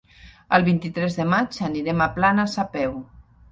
El vint-i-tres de maig anirem a Planes a peu.